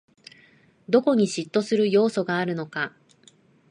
どこに嫉妬する要素があるのか